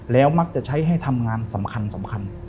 แล้วมักจะใช้ให้ทำงานสำคัญ